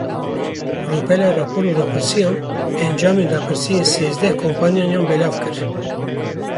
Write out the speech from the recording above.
Rûpela Rapor û Rapirsiyan encamên rapirsiyên sêzdeh kompaniyan belav kir.